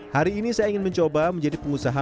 hari ini saya ingin mencoba menjadi pengusaha